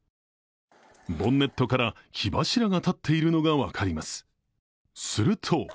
ボンネットから火柱が立っているのが分かります。